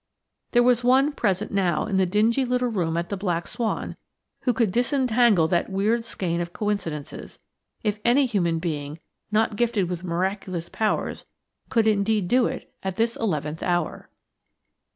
There was one present now in the dingy little room at the "Black Swan" who could disentangle that weird skein of coincidences, if any human being not gifted with miraculous powers could indeed do it at this eleventh hour.